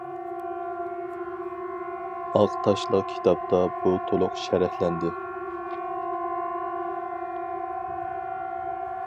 ئاق تاشلىق كىتابتا بۇ تولۇق شەرھلەندى.